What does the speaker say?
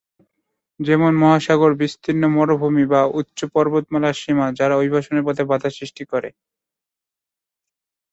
যেমন মহাসাগর, বিস্তীর্ণ মরুভূমি বা উচ্চ পর্বতমালার সীমা, যারা অভিবাসনের পথে বাধা সৃষ্টি করে।